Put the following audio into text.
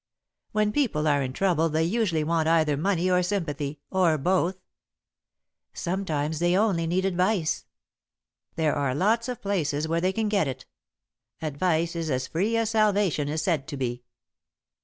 "When people are in trouble, they usually want either money or sympathy, or both." "Sometimes they only need advice." "There are lots of places where they can get it. Advice is as free as salvation is said to be."